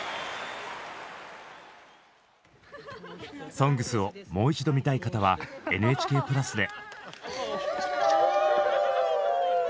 「ＳＯＮＧＳ」をもう一度見たい方はＮＨＫプラスで！